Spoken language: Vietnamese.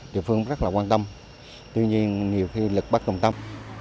địa phương rất là quan tâm tuy nhiên nhiều khi lực bắt trọng tâm